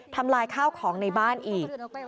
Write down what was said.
ทำลายข้าวของในบ้านอีก